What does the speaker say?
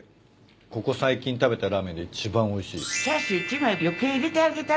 ここ最近食べたラーメンで一番おいしい。